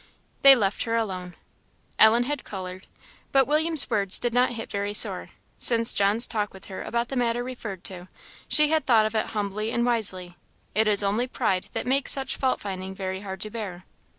They left her alone. Ellen had coloured, but William's words did not hit very sore; since John's talk with her about the matter referred to, she had thought of it humbly and wisely; it is only pride that makes such fault finding very hard to bear.